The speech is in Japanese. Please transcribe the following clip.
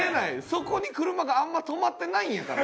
そこに車があんま止まってないんやから。